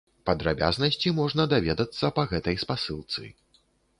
Падрабязнасці можна даведацца па гэтай спасылцы.